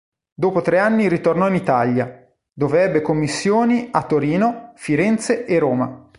Dopo tre anni ritornò in Italia, dove ebbe commissioni a Torino, Firenze e Roma.